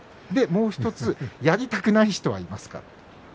もう１つやりたくない人はいますか？